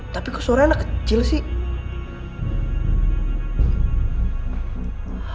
tapi kok suara anak kecil sih